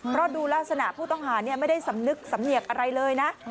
เพราะดูลักษณะผู้ต้องหาไม่ได้สำนึกสำเนียกอะไรเลยนะ